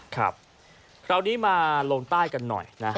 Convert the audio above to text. คราวนี้มาลงใต้กันหน่อยนะฮะ